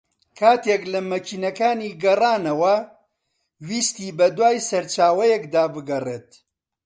کاتێک لە مەکینەکانی گەڕانەوە ویستی بە دووای سەرچاوەیەکدا بگەڕێت